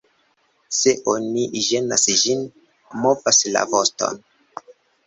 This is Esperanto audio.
Se oni ĝenas ĝin, movas la voston.